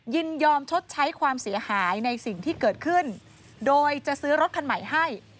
ยินยอมชดใช้ความเสียหายในสิ่งที่เกิดขึ้นโดยจะซื้อรถคันใหม่ให้